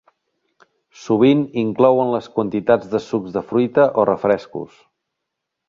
Sovint inclouen les quantitats de sucs de fruita o refrescos.